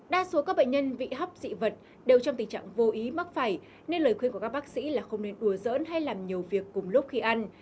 đa số các bệnh nhân bị hóc dị vật đều trong tình trạng vô ý mắc phải nên lời khuyên của các bác sĩ là không nên ủa dỡn hay làm nhiều việc cùng lúc khi ăn